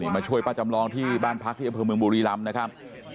มาช่วยป้าจำลองที่บ้านพักที่อำเภอเมืองบุรีรำนะครับ